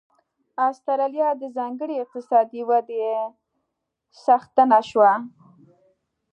اسټرالیا د ځانګړې اقتصادي ودې څښتنه شوه.